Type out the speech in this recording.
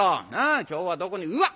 今日はどこにうわっ！